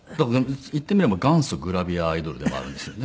言ってみれば元祖グラビアアイドルでもあるんですよね。